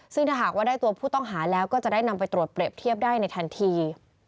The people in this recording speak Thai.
ซึ่งถ้าหากว่าได้ตัวผู้ต้องหาแล้วก็จะได้นำไปตรวจเปรียบเทียบได้ในทันที